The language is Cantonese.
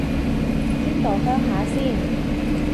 邊度鄉下先